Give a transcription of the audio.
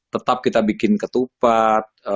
tetap kita bikin ketupat